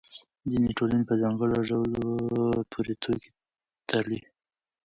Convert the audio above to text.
ځینې ټولنې په ځانګړو ډلو پورې ټوکې تړي.